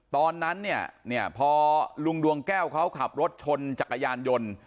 ตอนนั้นเนี่ยพอลุงดวงแก้วเขาขับรถชนจักรยานยนต์